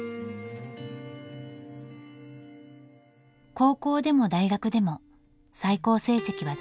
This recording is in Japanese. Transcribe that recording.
高校でも大学でも最高成績は全国２位。